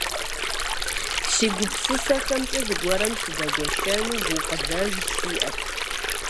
Си гупсысэхэмкӀэ зыгуэрым сыдэгуэшэну гукъыдэж сиӀэт.